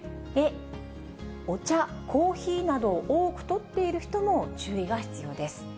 お茶、コーヒーなどを多くとっている人も注意が必要です。